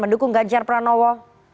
mendukung ganjar pranowo